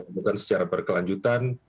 melakukan secara berkelanjutan